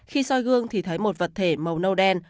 khi soi gương thì thấy một vật thể màu nâu đen